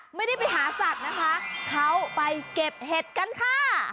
ไม่ได้ไปหาสัตว์นะคะเขาไปเก็บเห็ดกันค่ะ